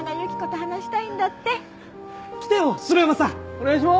お願いしまーす！